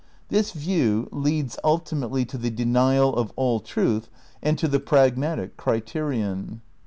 This view leads ulti mately to the denial of all truth and to the pragmatic criterion.